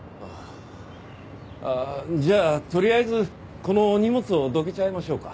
あっじゃあとりあえずこの荷物をどけちゃいましょうか。